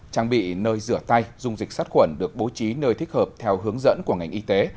trang bị nơi rửa tay dung dịch sát khuẩn được bố trí nơi thích hợp theo hướng dẫn của ngành y tế